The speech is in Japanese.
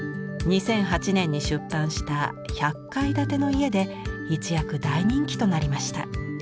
２００８年に出版した「１００かいだてのいえ」で一躍大人気となりました。